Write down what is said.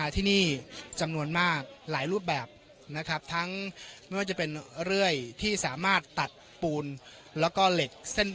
ที่กู้ภัยให้ปูนสำเร็จมาที่นี่